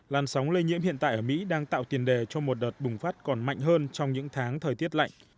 làn sóng lây nhiễm hiện tại ở mỹ đang tạo tiền đề cho một đợt bùng phát còn mạnh hơn trong những tháng thời tiết lạnh